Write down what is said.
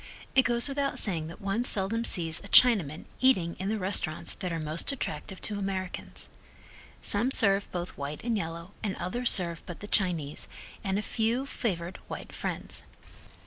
It goes without saying that one seldom sees a Chinaman eating in the restaurants that are most attractive to Americans. Some serve both white and yellow and others serve but the Chinese, and a few favored white friends.